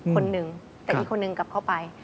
คนหนึ่งแต่อีกคนนึงกลับเข้าไป